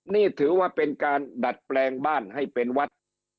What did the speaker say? นี่ถือว่าเป็นการดัดแปลงบ้านให้เป็นวัด